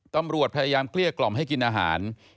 ตำรวจพยายามเกลี้ยกล่อมให้กินอาหาร